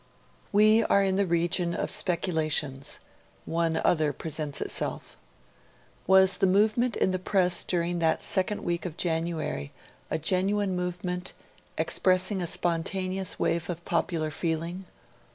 We are in the region of speculations; one other presents itself. Was the movement in the Press during that second week of January a genuine movement, expressing a spontaneous wave of popular feeling?